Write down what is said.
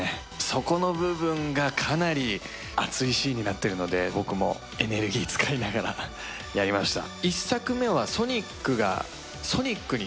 そこの部分がかなり熱くなっているので僕もエネルギーを使いながらやりました。